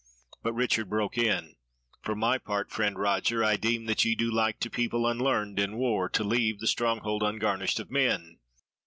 but Richard broke in: "For my part, friend Roger, I deem that ye do like to people unlearned in war to leave the stronghold ungarnished of men.